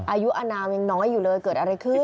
อายุอนามยังน้อยอยู่เลยเกิดอะไรขึ้น